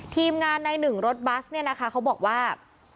ทีมงานในหนึ่งรถบัสเนี่ยนะคะเขาบอกว่า